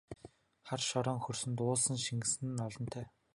Хар шороон хөрсөнд уусан шингэсэн нь олонтой!